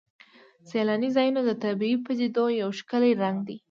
سیلاني ځایونه د طبیعي پدیدو یو ښکلی رنګ دی.